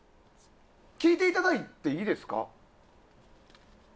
聞いていただいていいですか？